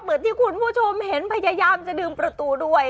เหมือนที่คุณผู้ชมเห็นพยายามจะดึงประตูด้วย